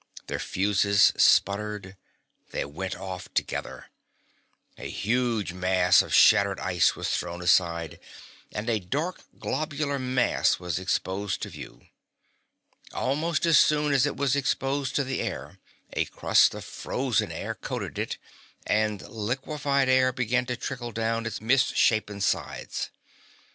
Their fuses sputtered. They went off together. A huge mass of shattered ice was thrown aside, and a dark, globular mass was exposed to view. Almost as soon as it was exposed to the air a crust of frozen air coated it, and liquified air began to trickle down its misshapen sides.